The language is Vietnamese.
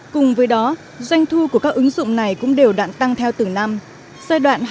cùng với đó doanh thu của các ứng dụng này cũng đều đạn tăng theo từng năm